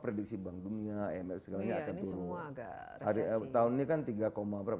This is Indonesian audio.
prediksi bank dunia mrx segalanya tertutup